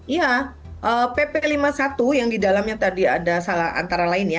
ya pp lima puluh satu yang di dalamnya tadi ada salah antara lainnya